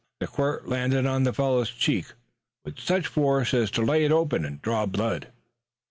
The quirt landed on the fellow's cheek with such force as to lay it open and draw blood.